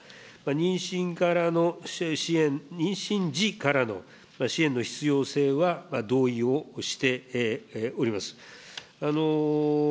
妊娠からの妊娠時からの支援の必要性は同意をしております。